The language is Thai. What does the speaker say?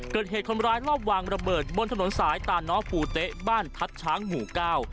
เกิดเหตุคนร้ายรอบวางระเบิดบนถนนสายตาน้อปูเต๊ะบ้านทัศน์ช้างหมู่เก้า